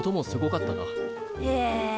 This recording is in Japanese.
へえ。